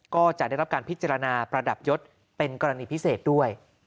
ก็จะได้รับการพิจารณาประดับยศเป็นกรณีพิเศษด้วย